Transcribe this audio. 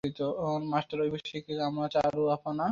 Master, ওই শিক্ষিকা আমাদের চারু আপা না?